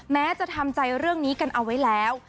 แม้จะทำใจเรื่องนี้กันเอาไว้แล้ว